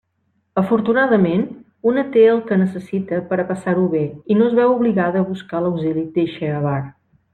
Afortunadament, una té el que necessita per a passar-ho bé i no es veu obligada a buscar l'auxili d'eixe avar.